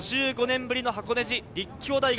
５５年ぶりの箱根路、立教大学。